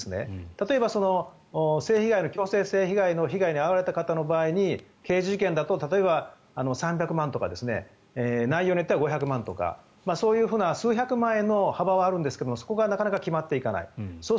例えば、強制性被害の被害に遭われた方の場合に刑事事件だと例えば、３００万円とか内容によっては５００万とか数百万円の幅はあるんですがそこがなかなか決まっていかない。